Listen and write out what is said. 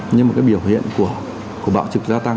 nhưng mà cái biểu hiện của bạo trực gia tăng